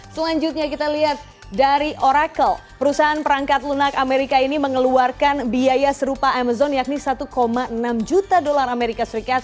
selanjutnya kita lihat dari oracle perusahaan perangkat lunak amerika ini mengeluarkan biaya serupa amazon yakni satu enam juta dolar as